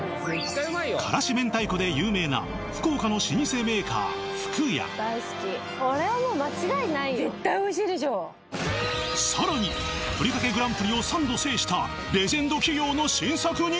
辛子明太子で有名な福岡の老舗メーカーふくや絶対おいしいでしょさらにふりかけグランプリを３度制したレジェンド企業の新作に